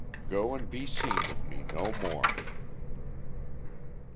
Go and be seen with me no more."